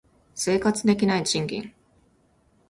生活できない賃金